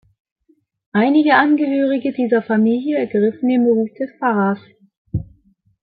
Einige Angehörige dieser Familie ergriffen den Beruf des Pfarrers.